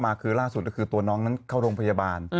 มากครับพี่น้องโถงศามาก